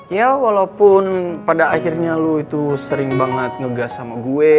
ya walaupun pada akhirnya lo itu sering banget ngegas sama gue